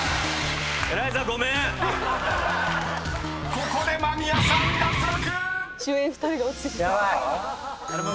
［ここで間宮さん脱落！］